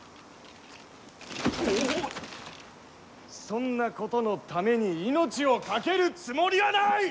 そんなことのために命を懸けるつもりはない！